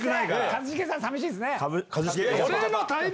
一茂さん寂しいですね。